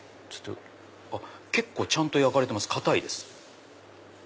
あっ結構ちゃんと焼かれてます硬いです。